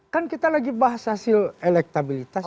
kan kita lagi bahas hasil elektabilitas